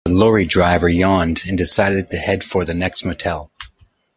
The lorry driver yawned and decided to head for the next motel.